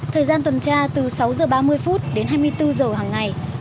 thời gian tuần tra từ sáu h ba mươi phút đến hai mươi bốn h hàng ngày